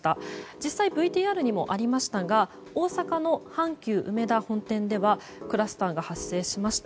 実際、ＶＴＲにもありましたが大阪の阪急うめだ本店ではクラスターが発生しました。